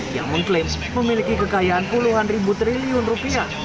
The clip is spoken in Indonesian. yang mengklaim memiliki kekayaan puluhan ribu triliun rupiah